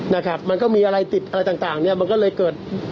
นะครับมันก็มีอะไรติดอะไรต่างเนี่ยมันก็เลยเกิด